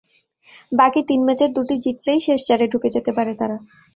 বাকি তিন ম্যাচের দুটি জিতলেই শেষ চারে ঢুকে যেতে পারে তারা।